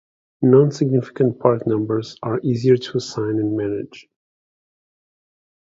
Non-significant part numbers are easier to assign and manage.